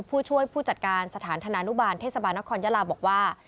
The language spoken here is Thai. ผู้ช่วยผู้จัดการสถานธนานุบาลเทศบาลนครยาลาบอกว่า